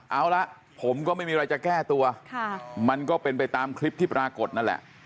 เอาละผมก็ไม่มีอะไรจะแก้ตัวมันก็เป็นไปตามคลิปที่ปรากฏนั่นแหละ